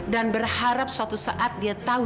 dan berharap suatu saat dia tahu